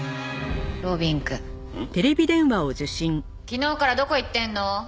昨日からどこ行ってるの？